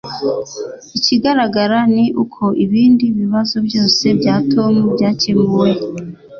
Ikigaragara ni uko ibindi bibazo byose bya Tom byakemuwe